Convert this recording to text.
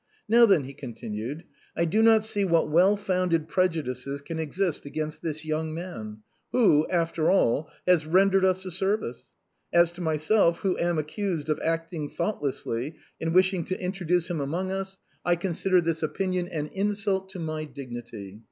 " Now, then," he continued, " I do not see what well founded prejudices can exist against this young man, who^ after all, has rendered us a service. As to myself, who am accused of acting thoughtlessly in wishing to introduce him among us, I consider this opinion an insult to my dignity.